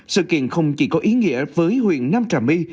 sự kiện không chỉ có ý nghĩa với huyện nam trà my